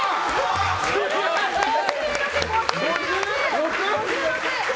５６！